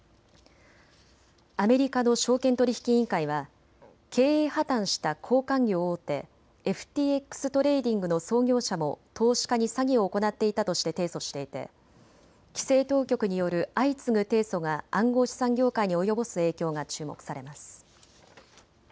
アメリカの証券取引委員会は経営破綻した交換業大手、ＦＴＸトレーディングの創業者も投資家に詐欺を行っていたとして提訴していて規制当局による相次ぐ提訴が暗号資産業界に及ぼす影響が注目されます。